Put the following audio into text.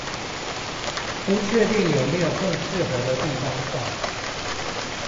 不確定有沒有更適合的地方放